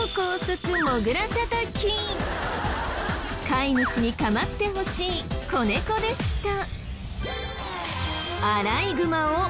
飼い主に構ってほしい子猫でした。